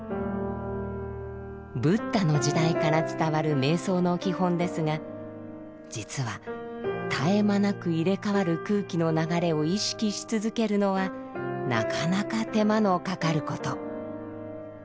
ブッダの時代から伝わる瞑想の基本ですが実は絶え間なく入れ代わる空気の流れを意識し続けるのはなかなか手間のかかること。